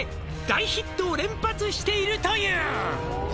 「大ヒットを連発しているという」